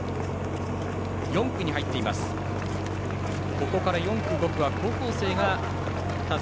４区に入っています。